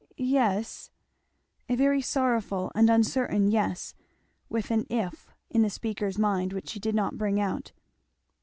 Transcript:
"Yes " A very sorrowful and uncertain "yes," with an "if" in the speaker's mind which she did not bring out.